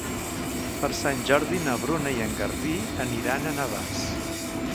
Per Sant Jordi na Bruna i en Garbí aniran a Navàs.